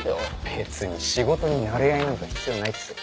別に仕事になれ合いなんか必要ないっすよ。